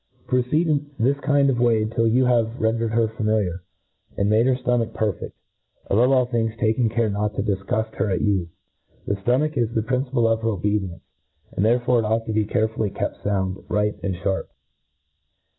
^ Proceed in this kind' way till you have ren dered her familiar, and made her fl:omach per*^ fefl; ; above all thirgs taking care not to difgufl: her at you. The ftomach is the principle of her obedience ; and therefore it ought to be care* fully kept found, ripe, and fliarp..